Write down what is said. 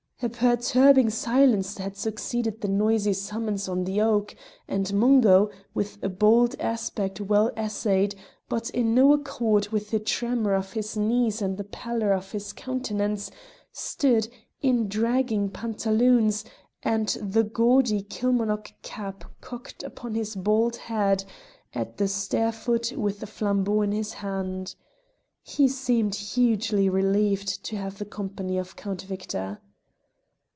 A perturbing silence had succeeded the noisy summons on the oak, and Mungo, with a bold aspect well essayed, but in no accord with the tremour of his knees and the pallor of his countenance, stood, in dragging pantaloons and the gaudy Kilmarnock cap cocked upon his bald head, at the stair foot with a flambeau in his hand. He seemed hugely relieved to have the company of Count Victor.